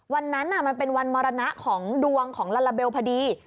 วันนั้นมันเป็นวันมรณะของดวงของลาลาเบลพอดี